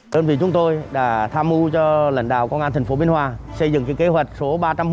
đơn vị chúng tôi đã tham mưu cho lãnh đạo công an thành phố biên hòa xây dựng kế hoạch số ba trăm một mươi